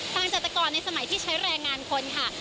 เกษตรกรในสมัยที่ใช้แรงงานคนค่ะ